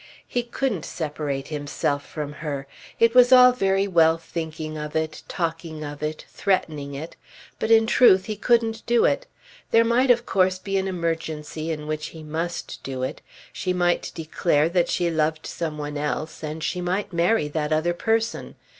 He couldn't separate himself from her. It was all very well thinking of it, talking of it, threatening it; but in truth he couldn't do it. There might of course be an emergency in which he must do it. She might declare that she loved some one else and she might marry that other person.